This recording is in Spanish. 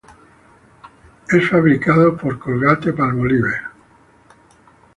Es fabricada por Colgate-Palmolive.